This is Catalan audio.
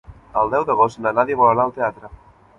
El deu d'agost na Nàdia vol anar al teatre.